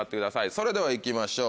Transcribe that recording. それでは行きましょう